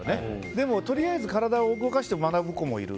でもとりあえず体を動かして学ぶ子もいる。